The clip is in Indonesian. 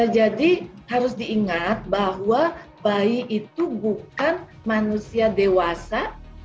jadi harus diingat bahwa bayi itu bukan manusia dewasa